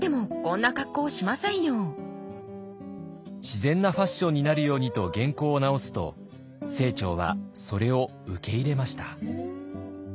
自然なファッションになるようにと原稿を直すと清張はそれを受け入れました。